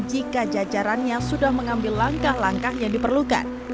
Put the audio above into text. jika jajarannya sudah mengambil langkah langkah yang diperlukan